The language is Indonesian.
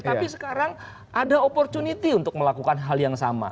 tapi sekarang ada opportunity untuk melakukan hal yang sama